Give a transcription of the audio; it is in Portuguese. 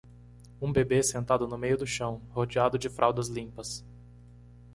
um bebê sentado no meio do chão, rodeado de fraldas limpas